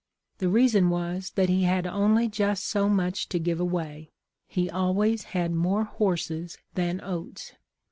The reason was, that he had only just so much to give away —' He always had more horses than oats.'